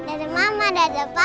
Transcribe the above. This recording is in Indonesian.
dada mama dada papa